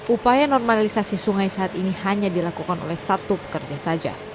upaya normalisasi sungai saat ini hanya dilakukan oleh satu pekerja saja